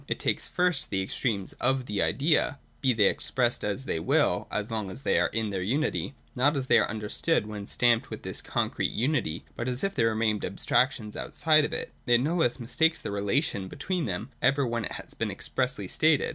It takes fir^l the extremes of the Idea (be they exjiressed as they will, so long as they arc in their unity), not as they are understood when stamped with this concrete unity, but as if they remained abstractions outside of it. It no less mistakes the relation between them, even when it has been expressly stated.